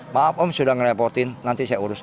maaf om sudah ngerepotin nanti saya urus